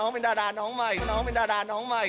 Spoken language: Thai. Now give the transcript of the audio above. เพราะว่าน้องเป็นดาราน้องใหม่